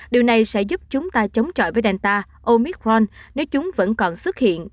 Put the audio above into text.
điều này sẽ giúp chúng ta chống chọi với đànta omicron nếu chúng vẫn còn xuất hiện